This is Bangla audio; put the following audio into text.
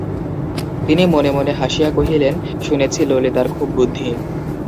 তিনি মনে মনে হাসিয়া কহিলেন, শুনেছি ললিতার খুব বুদ্ধি।